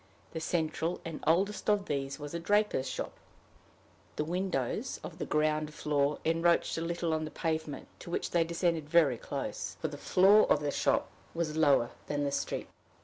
The central and oldest of these was a draper's shop. The windows of the ground floor encroached a little on the pavement, to which they descended very close, for the floor of the shop was lower than the street.